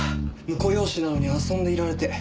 婿養子なのに遊んでいられて。